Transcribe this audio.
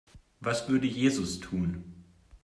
Was würde Jesus tun?